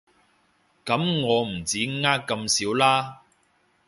噉我唔止呃咁少了